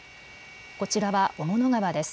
こちらは雄物川です。